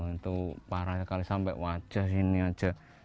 itu parah sekali sampai wajah sini aja